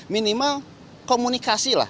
minimal komunikasi lah